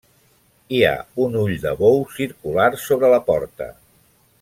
Hi ha un ull de bou circular sobre la porta.